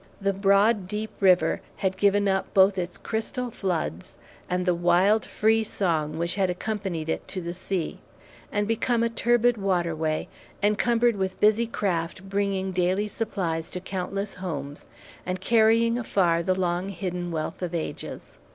The broad, deep river had given up both its crystal floods and the wild, free song which had accompanied it to the sea, and become a turbid waterway, encumbered with busy craft bringing daily supplies to countless homes, and carrying afar the long hidden wealth of ages.